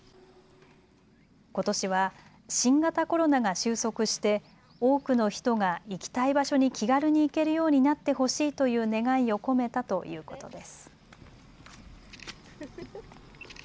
ことしは新型コロナが終息して多くの人が行きたい場所に気軽に行けるようになってほしいという願いを込めたということです。